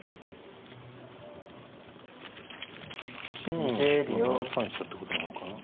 ８四歩は７三飛車ってことなのかな。